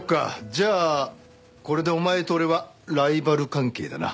じゃあこれでお前と俺はライバル関係だな。